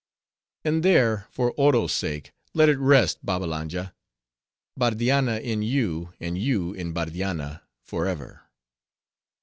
"And there, for Oro's sake, let it rest, Babbalanja; Bardianna in you, and you in Bardianna forever!"